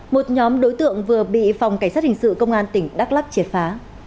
một nhóm đối tượng vừa bị phòng cảnh sát hình sự công an tỉnh đắk lắc triệt phá